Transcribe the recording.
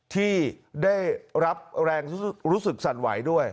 ที่ได้รับแรงรู้สึกสั่นไหวด้วย